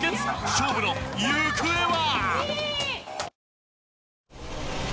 勝負の行方は。